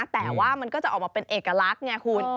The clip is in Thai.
แต่ว่ามันก็จะออกมาเป็นเอกลักษณ์ไงคุณ